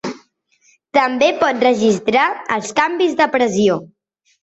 També pot registrar els canvis de pressió.